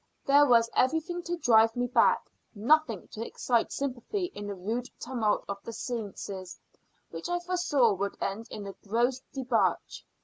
There was everything to drive me back, nothing to excite sympathy in a rude tumult of the senses, which I foresaw would end in a gross debauch.